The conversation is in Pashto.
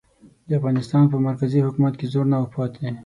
د افغانستان په مرکزي حکومت کې زور نه و پاتې.